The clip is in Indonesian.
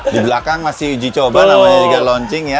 di belakang masih uji coba namanya juga launching ya